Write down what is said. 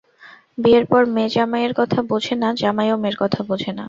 বিয়ের পর মেয়ে জামাইয়ের কথা বোঝে না, জামাইও মেয়ের কথা বোঝে না।